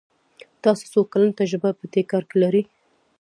تاسو څو کلن تجربه په دي کار کې لری ؟